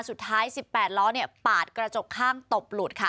สุดท้าย๑๘ล้อปาดกระจกข้างตบหลุด